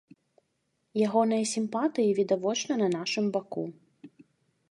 Ягоныя сімпатыі відавочна на нашым баку.